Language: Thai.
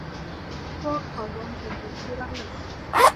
พวกเขารอฉันอยู่ที่บ้าน